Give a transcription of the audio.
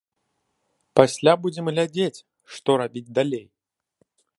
Пасля будзем глядзець, што рабіць далей.